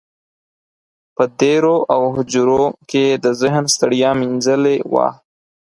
په دېرو او هوجرو کې یې د ذهن ستړیا مینځلې وه.